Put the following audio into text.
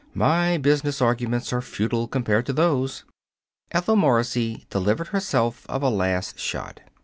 My business arguments are futile compared to those." Ethel Morrissey delivered herself of a last shot.